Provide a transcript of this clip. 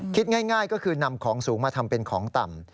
คิดง่ายก็คือนำของสูงมาทำเป็นของต่ำ